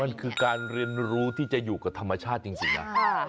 มันคือการเรียนรู้ที่จะอยู่กับธรรมชาติจริงนะ